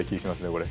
これ。